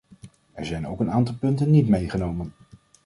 Er zijn ook een aantal punten niet meegenomen.